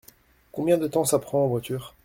Combien de temps ça prend en voiture ?